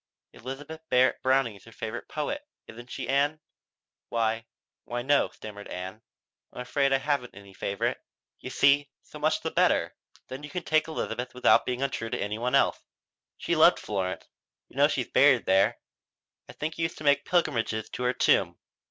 "Elizabeth Barrett Browning is your favorite poet, isn't she, Ann?" "Why why no," stammered Ann. "I'm afraid I haven't any favorite. You see " "So much the better. Then you can take Elizabeth without being untrue to any one else. She loved Florence. You know she's buried there. I think you used to make pilgrimages to her tomb."